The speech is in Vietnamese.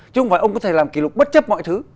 chứ không phải ông có thể làm kỷ lục bất chấp mọi thứ